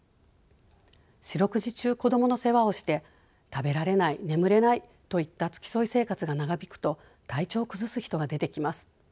四六時中子どもの世話をして食べられない眠れないといった付き添い生活が長引くと体調を崩す人が出てきます。